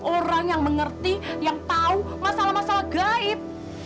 orang yang mengerti yang tahu masalah masalah gaib